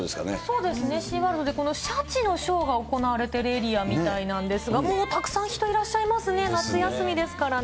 そうですね、シーワールドで、このシャチのショーが行われているエリアみたいなんですけれども、もうたくさん人、いらっしゃいますね、夏休みですからね。